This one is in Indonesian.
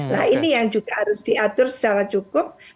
nah ini yang juga harus diatur secara cukup